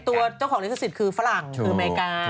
ตัวเจ้าของฤทธิษฐศิษฐ์คือฝรั่งคืออเมริกา